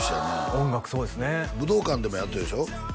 音楽すごいですね武道館でもやってるでしょ？